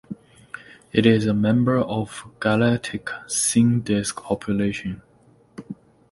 It is a member of the Galactic thin disk population.